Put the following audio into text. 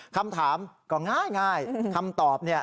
คำถามก็ง่ายคำตอบเนี่ย